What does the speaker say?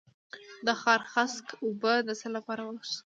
د خارخاسک اوبه د څه لپاره وڅښم؟